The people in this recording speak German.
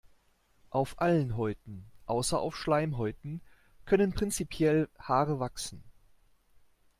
Auf allen Häuten außer auf Schleimhäuten können prinzipiell Haare wachsen.